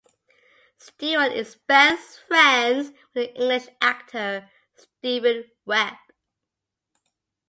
Stuart is best friends with the English actor Steven Webb.